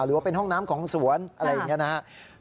หรือว่าเป็นห้องน้ำของสวนอะไรอย่างนี้นะครับ